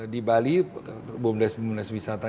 di bali boomdesk